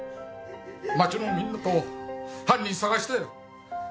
町のみんなと犯人探したよ。